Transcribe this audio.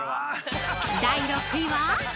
◆第６位は？